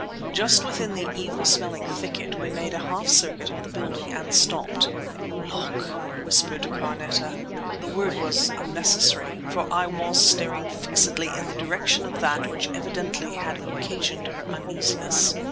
Just within the evil smelling thicket we made a half circuit of the building, and stopped. "Look!" whispered Carneta. The word was unnecessary, for I was staring fixedly in the direction of that which evidently had occasioned her uneasiness.